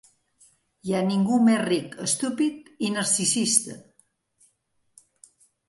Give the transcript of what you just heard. Hi ha ningú més ric, estúpid i narcisista!